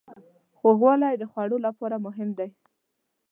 خوږوالی د خوړو لپاره مهم دی.